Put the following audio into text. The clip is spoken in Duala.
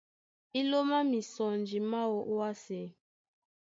Í lómá mísɔnji máō ó wásē.